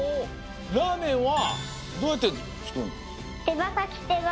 ラーメンはどうやってつくるの？